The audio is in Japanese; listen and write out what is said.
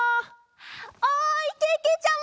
おいけけちゃま！